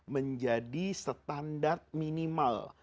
menjadi standar minimal